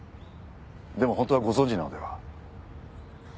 でも本当はご存じなのでは？